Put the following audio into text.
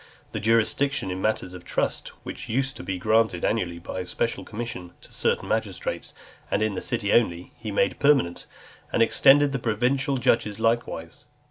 The jurisdiction in matters of trust, which used to be granted annually by special commission to certain magistrates, and in the city only, he made permanent, and extended to the provincial judges likewise.